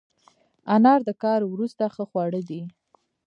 انار د کار وروسته ښه خواړه دي.